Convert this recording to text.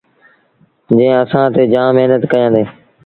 جݩهݩ اسآݩ تي جآم مهنت ڪيآندي۔